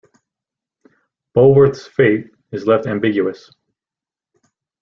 Bulworth's fate is left ambiguous.